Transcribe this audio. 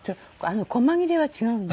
細切れは違うのよ。